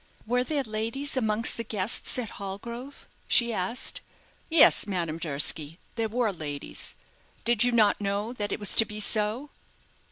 "Were there ladies amongst the guests at Hallgrove?" he asked. "Yes, Madame Durski, there were ladies. Did you not know that it was to be so?"